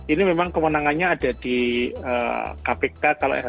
ini memang kemenangannya ada di kpk kalau rrkpn nya